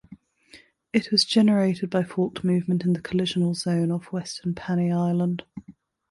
It was generated by fault movement in the collisional zone off western Panay Island.